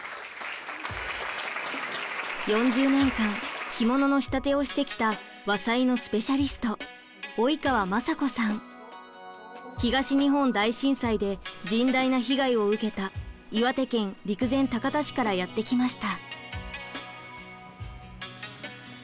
４０年間着物の仕立てをしてきた東日本大震災で甚大な被害を受けた岩手県陸前高田市からやって来ました。